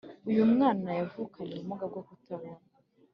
uyumwana yavukanye ubumuga bwokutabona